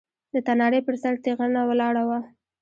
د تنارې پر سر تېغنه ولاړه وه.